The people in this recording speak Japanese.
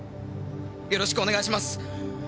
よろしくお願いします。